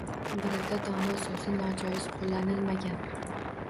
Birida dona so‘zi nojoiz qo‘llanilmagan.